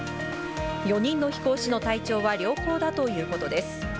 ４人の飛行士の体調は良好だということです。